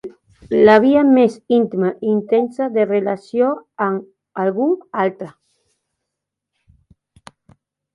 La via més íntima i intensa de relació amb algú altre.